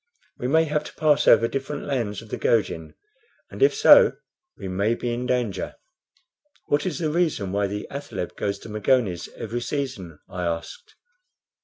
We may have to pass over different lands of the Gojin, and if so we may be in danger." "What is the reason why the athaleb goes to Magones every season?" I asked.